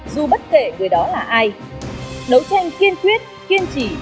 dù bất kể người đó là ai